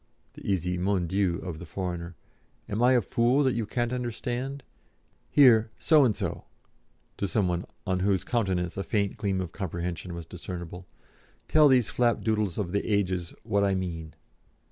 (the easy "Mon Dieu" of the foreigner) "am I a fool that you can't understand? Here, So and so" to some one on whose countenance a faint gleam of comprehension was discernible "tell these flapdoodles of the ages what I mean."